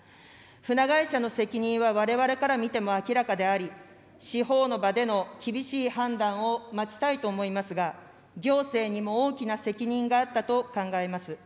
船会社の責任はわれわれから見ても明らかであり、司法の場での厳しい判断を待ちたいと思いますが、行政にも大きな責任があったと考えます。